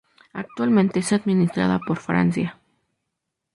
Actualmente es administrada por Francia.